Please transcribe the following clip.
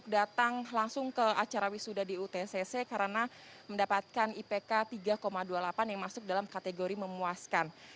datang langsung ke acara wisuda di utcc karena mendapatkan ipk tiga dua puluh delapan yang masuk dalam kategori memuaskan